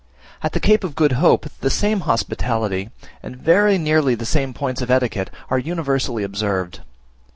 At the Cape of Good Hope the same hospitality, and very nearly the same points of etiquette, are universally observed.